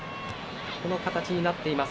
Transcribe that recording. この形になっています。